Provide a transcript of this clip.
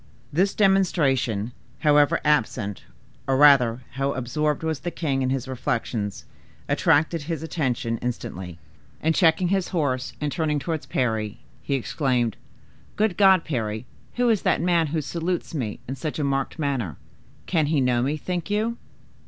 This demonstration, however absent, or rather, however absorbed was the king in his reflections, attracted his attention instantly; and checking his horse and turning towards Parry, he exclaimed, "Good God, Parry, who is that man who salutes me in such a marked manner? Can he know me, think you?"